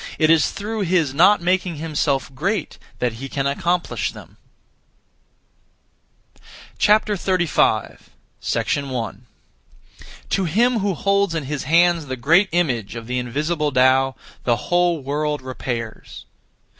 It is through his not making himself great that he can accomplish them. 35. 1. To him who holds in his hands the Great Image (of the invisible Tao), the whole world repairs.